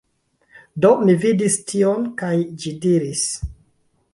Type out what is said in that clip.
Do mi vidis tion, kaj ĝi diris...